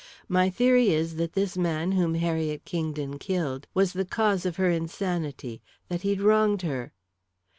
My theory is that this man whom Harriet Kingdon killed was the cause of her insanity that he'd wronged her."